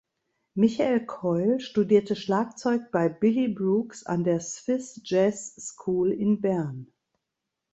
Michael Keul studierte Schlagzeug bei Billy Brooks an der Swiss Jazz School in Bern.